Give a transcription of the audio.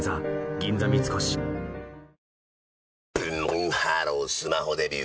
ブンブンハロースマホデビュー！